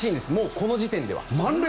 この時点では。